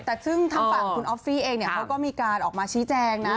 แต่ซึ่งทางฝั่งคุณออฟฟี่เองเนี่ยเขาก็มีการออกมาชี้แจงนะ